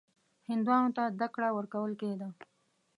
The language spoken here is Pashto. هندوانو ته زده کړه ورکول کېده.